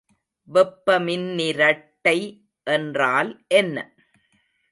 வெப்பமின்னிரட்டை என்றால் என்ன?